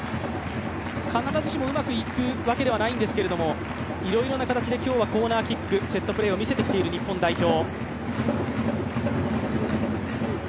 必ずしも、うまくいくわけではないんですけどいろいろな形で今日はコーナーキック、セットプレーを見せてきている日本代表。